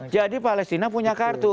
jadi palestina punya kartu